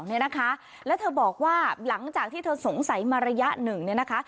เนี่ยนะคะแล้วเธอบอกว่าหลังจากที่เธอสงสัยมาระยะหนึ่งเนี่ยนะคะ